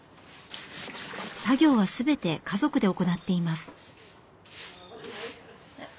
作業は全て家族で行っています。